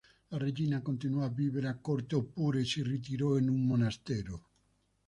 La regina continuò a vivere a corte oppure si ritirò in un monastero.